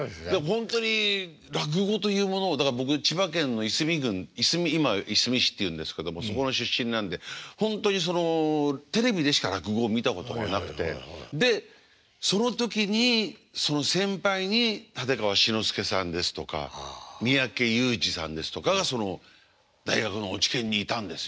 本当に落語というものをだから僕千葉県の夷隅郡今いすみ市っていうんですけどもそこの出身なんで本当にそのテレビでしか落語を見たことがなくてでその時にその先輩に立川志の輔さんですとか三宅裕司さんですとかがその大学の落研にいたんですよ。